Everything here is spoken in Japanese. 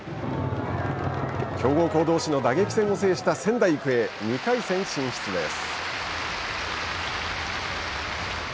強豪校どうしの打撃戦を制した仙台育英２回戦進出です。